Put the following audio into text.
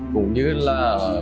cũng như là